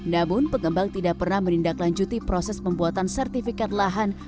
namun pengembang tidak pernah menindaklanjuti proses pembuatan sertifikat lahan